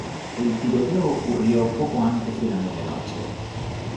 El tiroteo ocurrió poco antes de la medianoche.